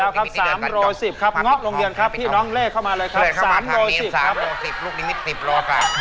พี่น้องเล่เข้ามาเลยครับ๓โล๑๐ครับเกิดเข้ามาถัดนี้๓โล๑๐